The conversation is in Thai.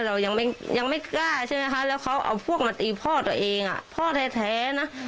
เรายังไม่ยังไม่กล้าใช่ไหมคะแล้วเขาเอาพวกมาตีพ่อตัวเองอ่ะพ่อแท้นะ